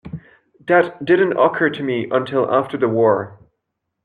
That didn't occur to me until after the war.